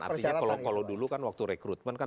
artinya kalau dulu kan waktu rekrutmen kan